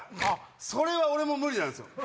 それは俺も無理なんすよ